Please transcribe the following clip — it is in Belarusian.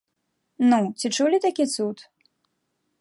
Ну, ці чулі такі цуд?